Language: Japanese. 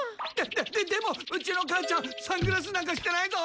でででもうちの母ちゃんサングラスなんかしてないぞ！